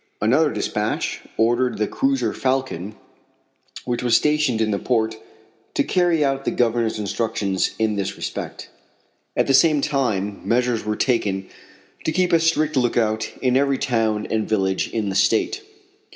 Another dispatch ordered the cruiser Falcon, which was stationed in the port, to carry out the Governor's instructions in this respect. At the same time measures were taken to keep a strict lookout in every town and village in the State.